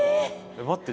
待って。